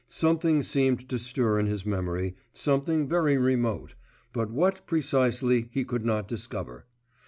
Something seemed to stir in his memory, something very remote ... but what, precisely, he could not discover.